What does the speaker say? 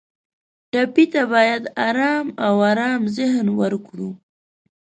ټپي ته باید آرام او ارام ذهن ورکړو.